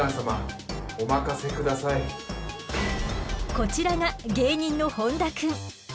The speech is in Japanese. こちらが芸人の本多くん。